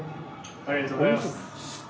ありがとうございます。